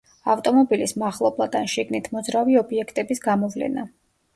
ავტომობილის მახლობლად ან შიგნით მოძრავი ობიექტების გამოვლენა.